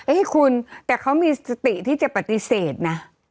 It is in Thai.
ให้คุณแต่เขามีสติที่จะปฏิเสธนะ